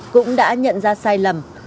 cũng đã nhận ra sai lầm